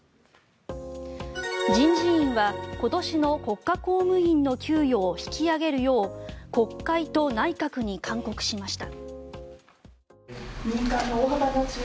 人事院は今年の国家公務員の給与を引き上げるよう国会と内閣に勧告しました。